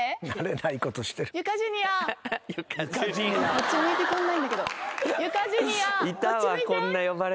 こっち向いてくんないんだけど。